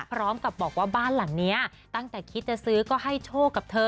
พร้อมกับบอกว่าบ้านหลังนี้ตั้งแต่คิดจะซื้อก็ให้โชคกับเธอ